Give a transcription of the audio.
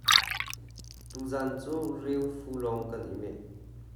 Tuzaan cu reufu lawng kan i meh.